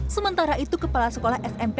sementara itu kepala sekolah smp